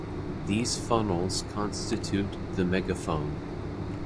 These funnels constitute the megaphone.